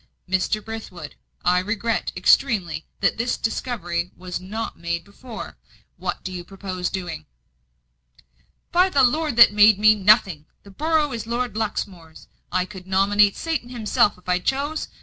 "Mr. Brithwood, I regret extremely that this discovery was not made before. What do you purpose doing?" "By the Lord that made me, nothing! The borough is Lord Luxmore's; I could nominate Satan himself if I chose.